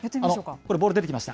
ボール出てきました。